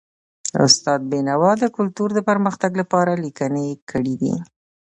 استاد بینوا د کلتور د پرمختګ لپاره لیکني کړي دي.